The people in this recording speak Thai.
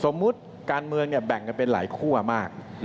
สมมุติการเมืองเนี่ยแบ่งกันเป็นหลายคั่วมาก